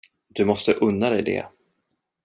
Du måste unna dig det.